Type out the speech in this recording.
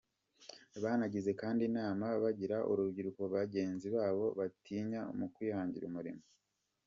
Banagize kandi inama bagira urubyiruko bagenzi babo bakitinya mu kwihangira umurimo.